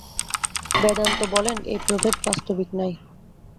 বেদান্ত বলেন, এই প্রভেদ বাস্তবিক নাই।